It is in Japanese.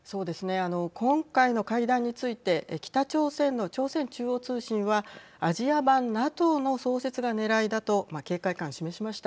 あの今回の会談について北朝鮮の朝鮮中央通信はアジア版ＮＡＴＯの創設がねらいだと警戒感を示しました。